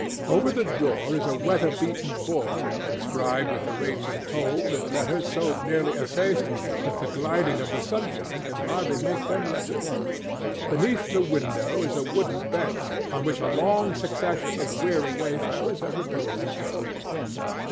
Over the door is a weatherbeaten board inscribed with the rates of toll in letters so nearly effaced that the gilding of the sunshine can hardly make them legible. Beneath the window is a wooden bench on which a long succession of weary wayfarers have reposed themselves.